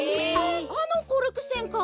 あのコルクせんか。